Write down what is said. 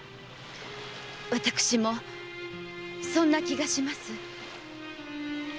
私もそんな気がします。